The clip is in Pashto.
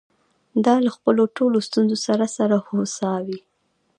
دا له خپلو ټولو ستونزو سره سره هوسا وې.